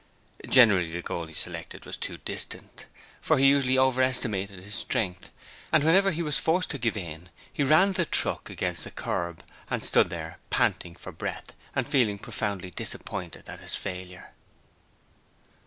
Generally the goal he selected was too distant, for he usually overestimated his strength, and whenever he was forced to give in he ran the truck against the kerb and stood there panting for breath and feeling profoundly disappointed at his failure.